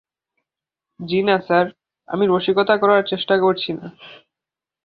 জ্বি-না sir, আমি রসিকতা করার চেষ্টা করছি না।